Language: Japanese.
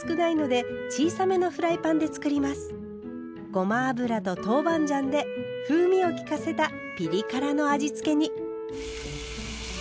ごま油と豆板醤で風味をきかせたピリ辛の味付けに。